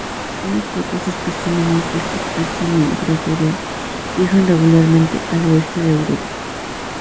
Unos pocos especímenes de esta especie migratoria, viajan regularmente al oeste de Europa.